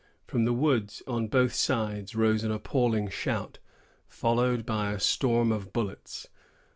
From the woods on both sides rose an appalling shout, followed by a storm of bullets.